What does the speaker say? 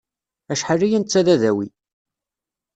Acḥal aya netta d adawi.